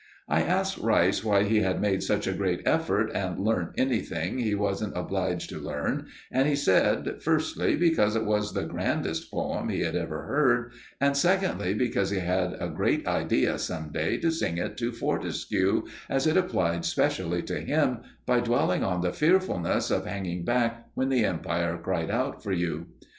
I asked Rice why he had made such a great effort and learnt anything he wasn't obliged to learn, and he said, firstly, because it was the grandest poem he had ever heard, and, secondly, because he had a great idea some day to sing it to Fortescue, as it applied specially to him by dwelling on the fearfulness of hanging back when the Empire cried out for you.